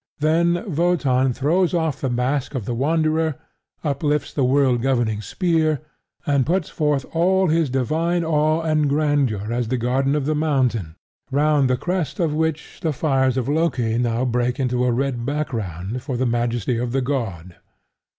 Then Wotan throws off the mask of the Wanderer; uplifts the world governing spear; and puts forth all his divine awe and grandeur as the guardian of the mountain, round the crest of which the fires of Loki now break into a red background for the majesty of the god.